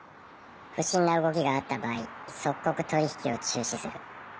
不審な動きがあった場合即刻取り引きを中止する。